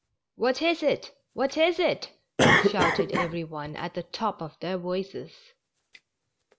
" What is it? what is it? " shouted every one at the top of their voices.